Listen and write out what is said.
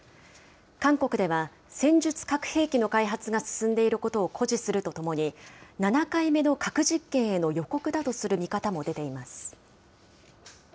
韓国では、戦術核兵器の開発が進んでいることを誇示するとともに、７回目の核実験への予告だとする見方も出ています。